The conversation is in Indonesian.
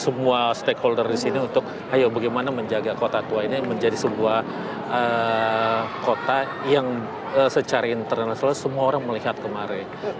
semua stakeholder di sini untuk ayo bagaimana menjaga kota tua ini menjadi sebuah kota yang secara internasional semua orang melihat kemarin